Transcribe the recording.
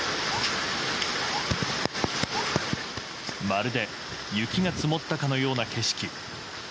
まるで雪が積もったかのような景色。